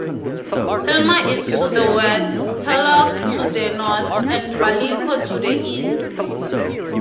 Hilmar is to the west; Turlock to the north; and Ballico to the east.